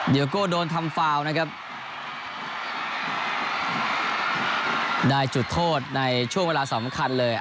เดี๋ยวโก้โดนทำฟาวนะครับได้จุดโทษในช่วงเวลาสำคัญเลย